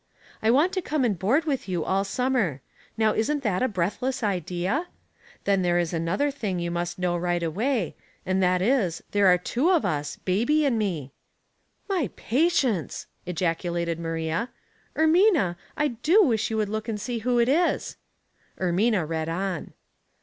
I want to come and board with you all summer. Now isn't that a br(^athless idea ? Then there is another thing you must know right away, and that Ways and Means. 187 is, there are two of us, bjiby and me !(' My patience !' ejaculated Maiia. * Ermina, I do wish you would look and see who it is.' Er mina read on.)